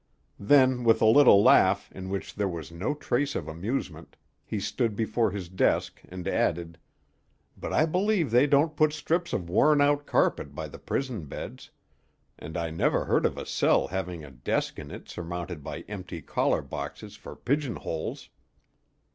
Then, with a little laugh, in which there was no trace of amusement, he stood before his desk, and added: "But I believe they don't put strips of worn out carpet by the prison beds; and I never heard of a cell having a desk in it surmounted by empty collar boxes for pigeon holes.